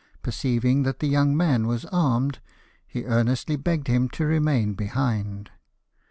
Perceiving that the young man was armed, he earnestly begged him to remain behind.